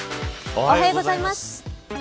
おはようございます。